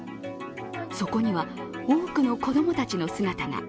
そこには、多くの子供たちの姿が。